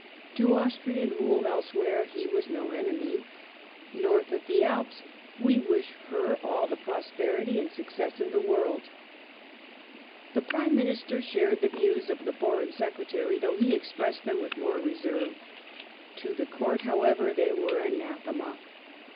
^ To Austrian rule elsewhere he was no enemy :" North of the Alps we wish her all the prosperity and success in the world ".^ The Prime Minister shared the views of the Foreign Secretary, though he expressed them with more reserve ; to the Court, however, they were anathema.